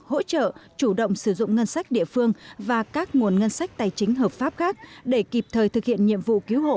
hỗ trợ chủ động sử dụng ngân sách địa phương và các nguồn ngân sách tài chính hợp pháp khác để kịp thời thực hiện nhiệm vụ cứu hộ